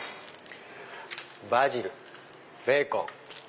バジルベーコン。